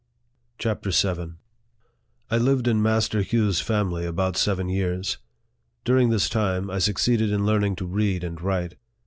CHAPTER VII. I LIVED in Master Hugh's family about seven years. During this time, I succeeded in learning to read and write.